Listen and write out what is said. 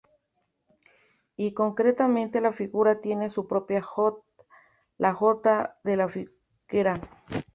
Y concretamente La Figuera tiene su propia jota: La jota de la Figuera.